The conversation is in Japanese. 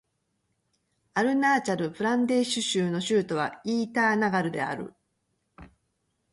アルナーチャル・プラデーシュ州の州都はイーターナガルである